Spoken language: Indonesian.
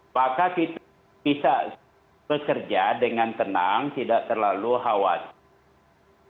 maka kita bisa bekerja dengan tenang tidak terlalu khawatir